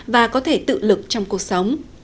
và có thể tự lực trong cuộc sống